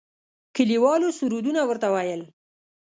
کلیوالو سردنه ورته ويل.